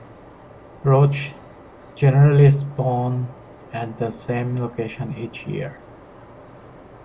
Roach generally spawn at the same location each year.